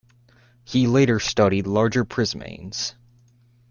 He later studied larger prismanes.